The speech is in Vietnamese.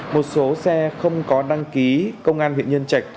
một số xe không có đăng ký công an huyện nhân trạch